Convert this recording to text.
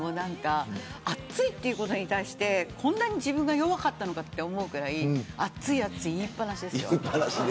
暑いということに対してこんなに自分が弱かったのかと思うくらい暑い暑いって言いっ放しです。